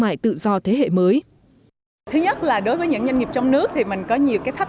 mại tự do thế hệ mới thứ nhất là đối với những doanh nghiệp trong nước thì mình có nhiều cái thách